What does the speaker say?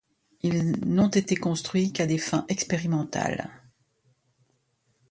Ils n'ont été construits qu'à des fins expérimentales.